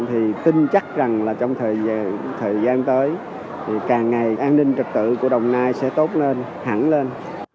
thì tin chắc rằng là trong thời gian tới thì càng ngày an ninh trật tự của đồng nai sẽ tốt lên hẳn lên